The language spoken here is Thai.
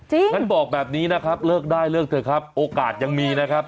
งั้นบอกแบบนี้นะครับเลิกได้เลิกเถอะครับโอกาสยังมีนะครับ